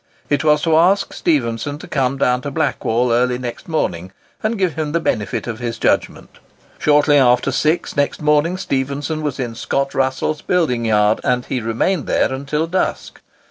It was to ask Stephenson to come down to Blackwall early next morning, and give him the benefit of his judgment. Shortly after six next morning Stephenson was in Scott Russell's building yard, and he remained there until dusk.